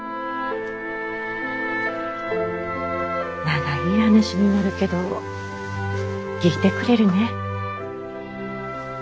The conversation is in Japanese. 長い話になるけど聞いてくれるねぇ？